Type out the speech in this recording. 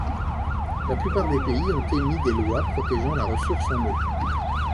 La plupart des pays ont émis des lois protégeant la ressource en eau.